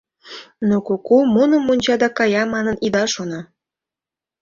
— Но куку муным мунча да кая манын, ида шоно.